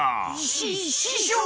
しししょう！